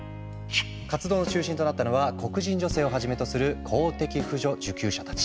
活動の中心となったのは黒人女性をはじめとする公的扶助受給者たち。